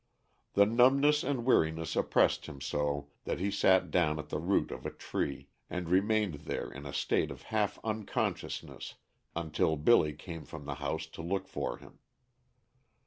The numbness and weariness oppressed him so that he sat down at the root of a tree, and remained there in a state of half unconsciousness until Billy came from the house to look for him.